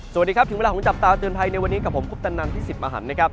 สวัสดีครับถึงเวลาของจับตาเตือนภัยในวันนี้กับผมคุปตนันพี่สิทธิ์มหันนะครับ